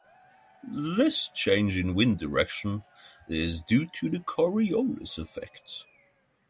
This change in wind direction is due to the Coriolis Effect.